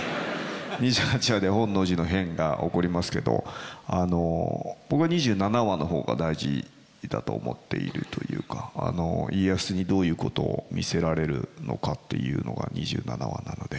２８話で本能寺の変が起こりますけど僕は２７話の方が大事だと思っているというか家康にどういうことを見せられるのかっていうのが２７話なので。